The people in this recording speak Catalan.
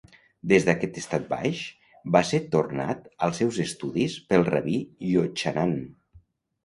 Des d'aquest estat baix, va ser tornat als seus estudis pel Rabí Yochanan.